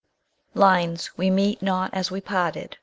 LINES: 'WE MEET NOT AS WE PARTED'.